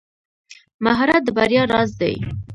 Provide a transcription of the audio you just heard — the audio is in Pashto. مهارت د بریا راز دی.